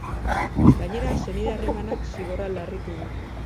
Gainera, senide harremanak zigorra larritu du.